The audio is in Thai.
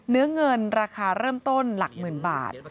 เนื้อเงินราคาเริ่มต้นหลักหมื่นบาท